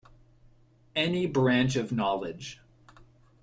Any branch of knowledge.